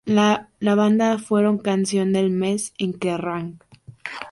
La banda fueron canción del mes en Kerrang!